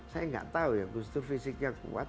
saya gak tau ya gus dur fisiknya kuat